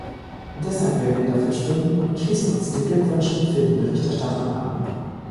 Deshalb werden wir dafür stimmen, und schließen uns den Glückwünschen für die Berichterstatterin an.